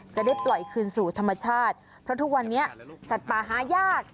จะได้ปล่อยคืนสู่ธรรมชาติเพราะทุกวันนี้สัตว์ป่าหายาก